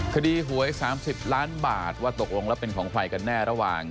คดีหวย๓๐ล้านบาทว่าตกลงแล้วเป็นของใครกันแน่ระหว่าง